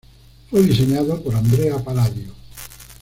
Fue diseñado por Andrea Palladio.